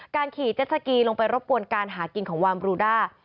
ขี่เจ็ดสกีลงไปรบกวนการหากินของวามบรูด้า